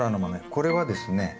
これはですね